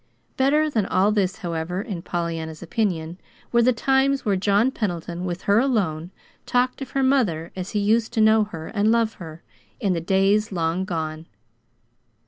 Better than all this, however, in Pollyanna's opinion, were the times when John Pendleton, with her alone, talked of her mother as he used to know her and love her, in the days long gone.